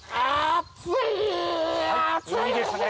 いいですね。